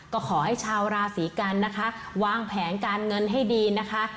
ก็ขอให้ชาวราศีกันนะคะวางแผนการเงินให้ดีนะคะ